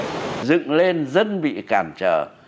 người dân bị cản trở